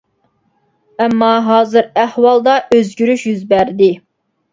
ئەمما ھازىر ئەھۋالدا ئۆزگىرىش يۈز بەردى.